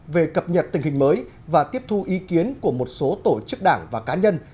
về cập nhật tình hình mới và tiếp thu ý kiến của một số tổ chức đảng và cá nhân